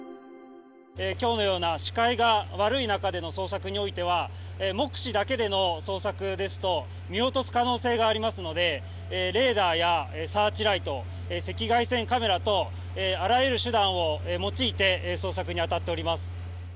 きょうのような視界が悪い中での捜索においては、目視だけでの捜索ですと見落とす可能性がありますので、レーダーやサーチライト、赤外線カメラ等、あらゆる手段を用いて捜索に当たっております。